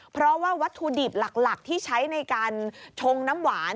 เพราะว่าวัตถุดิบหลักที่ใช้ในการชงน้ำหวาน